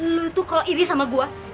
lu tuh kalau iri sama gue